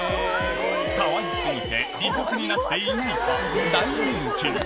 かわいすぎて威嚇になっていないと大人気に。